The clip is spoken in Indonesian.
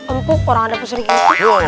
empuk orang ada pesuri gitu